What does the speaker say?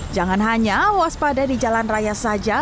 jangan hanya waspada di jalan raya saja